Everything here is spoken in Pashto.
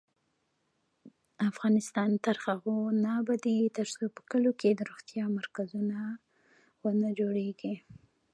افغانستان تر هغو نه ابادیږي، ترڅو په کلیو کې د روغتیا مرکزونه ونه جوړیږي.